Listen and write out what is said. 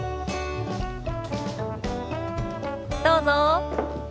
どうぞ。